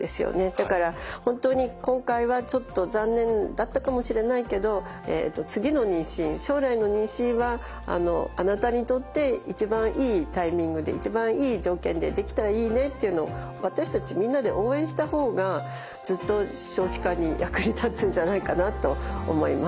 だから本当に今回はちょっと残念だったかもしれないけど次の妊娠将来の妊娠はあなたにとって一番いいタイミングで一番いい条件でできたらいいねっていうのを私たちみんなで応援した方がずっと少子化に役に立つんじゃないかなと思います。